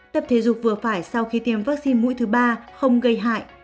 tập thể dục vừa phải sau khi tiêm vaccine mũi thứ ba không gây hại